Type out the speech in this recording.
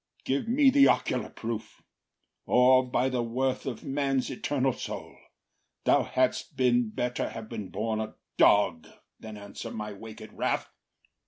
Give me the ocular proof, Or, by the worth of man’s eternal soul, Thou hadst been better have been born a dog Than answer my wak’d wrath.